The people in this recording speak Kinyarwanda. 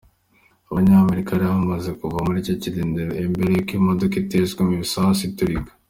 Abanyamerika bari bamaze kuva kuri ico kirindiro, imbere yuko iyo modoka itezwemwo ibisasu iturika.